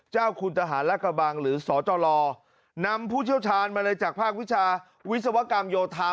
เจ้าคุณทหารและกระบังหรือสจนำผู้เชี่ยวชาญมาเลยจากภาควิชาวิศวกรรมโยธา